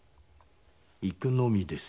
行くのみです。